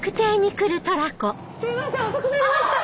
すいません遅くなりました！